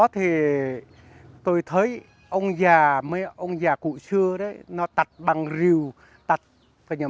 trong đó tôi yêu thích